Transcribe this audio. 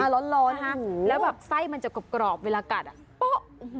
ร้อนแล้วแบบไส้มันจะกรอบเวลากัดอ่ะโป๊ะ